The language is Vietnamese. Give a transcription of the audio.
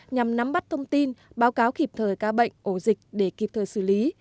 nhằm nắm bắt thông tin báo cáo kịp thời ca bệnh ổ dịch để kịp thời xử lý